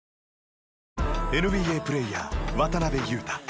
ＮＢＡプレーヤー、渡邊雄太。